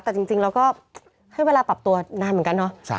แต่จริงเราก็ให้เวลาปรับตัวนานเหมือนกันเนาะ